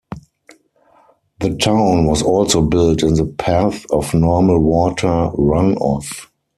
The town was also built in the path of normal water runoff.